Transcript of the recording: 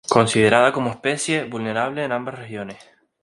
Considerada como especie vulnerable en ambas regiones.